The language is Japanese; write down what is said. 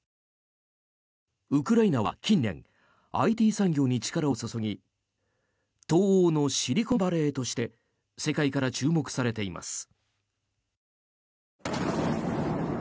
ウクライナは近年ＩＴ産業に力を注ぎ東欧のシリコンバレーとして世界から注目されています。